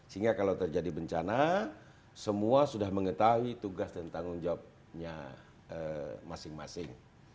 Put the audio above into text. sehingga kalau terjadi bencana semua sudah mengetahui tugas dan tanggung jawabnya masing masing